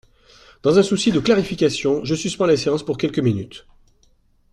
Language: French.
Dans un souci de clarification, je suspends la séance pour quelques minutes.